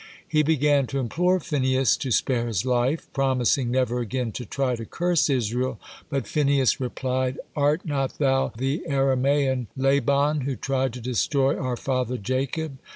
He began to implore Phinehas to spare his life, promising never again to try to curse Israel, but Phinehas replied: "Art not thou the Aramean Laban who tried to destroy our father Jacob?